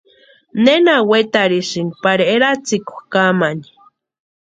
¿Nena wetarhisïnki pari eratsikwa kamani?